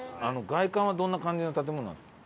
外観はどんな感じの建物なんですか？